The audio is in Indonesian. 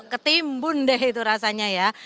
ketimbun deh itu rasanya ya